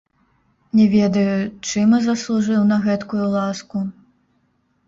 Не ведаю, чым і заслужыў на гэткую ласку?